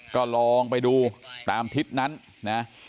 ก็ลองไปดูตามทิศนั้นนะ